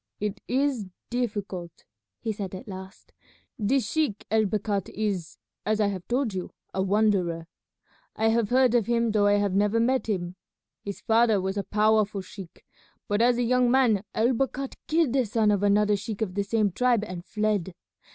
"It is difficult," he said at last; "this sheik El Bakhat is, as I have told you, a wanderer. I have heard of him though I have never met him. His father was a powerful sheik, but as a young man El Bakhat killed the son of another sheik of the same tribe and fled.